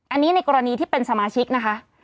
อันนี้ในกรณีที่เป็นสมาชิกนะคะ